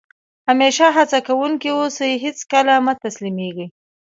همېشه هڅه کوونکی اوسى؛ هېڅ کله مه تسلیمېږي!